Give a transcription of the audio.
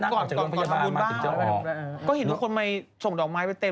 ก็เห็นทุกคนมาส่งดอกไม้ไปเต็ม